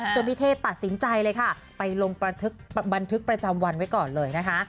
พี่เท่ตัดสินใจเลยค่ะไปลงบันทึกประจำวันไว้ก่อนเลยนะคะ